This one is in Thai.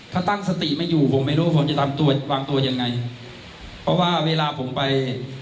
ถ้าตั้งสติไม่อยู่ผมไม่รู้ว่าผมจะทำตัววางตัวยังไงเพราะว่าเวลาผมไป